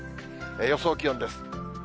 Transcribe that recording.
予想気温です。